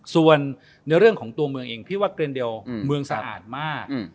ส่วนในเรื่องของตัวเมืองเองพี่ว่าเกรนเดลเมืองสะอาดมาก